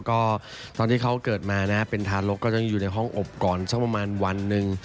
ก็ตอนที่เขาเกิดมานะเป็นทารกก็ยังอยู่ในห้องอบก่อนสักประมาณวันหนึ่ง